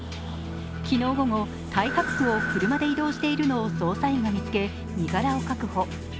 昨日午後、太白区を車で移動しているのを捜査員が見つけ身柄を確保。